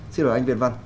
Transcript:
xin lỗi anh việt văn